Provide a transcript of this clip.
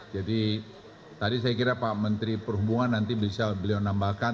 jadi tadi saya kira pak menteri perhubungan nanti bisa beliau nambahkan